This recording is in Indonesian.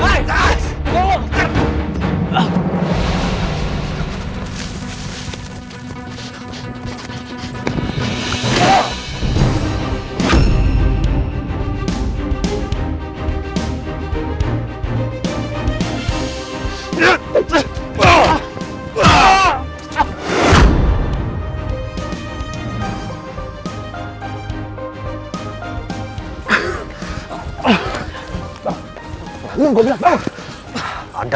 anda berapa kuat aja